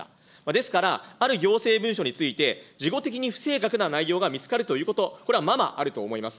ですから、ある行政文書について、事後的に不正確な内容が見つかるということ、これままあると思います。